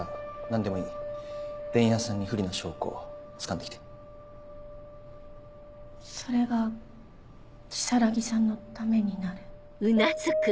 何でも伝弥さんに不利な証拠つかんそれが如月さんのためになる？